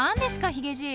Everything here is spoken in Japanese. ヒゲじい。